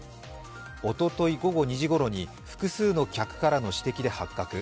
おととい午後２時ごろに複数の客からの指摘で発覚。